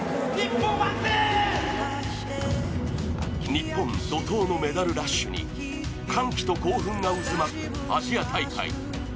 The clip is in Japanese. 日本怒とうのメダルラッシュに歓喜が渦巻くアジア大会。